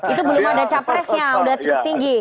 itu belum ada capresnya sudah cukup tinggi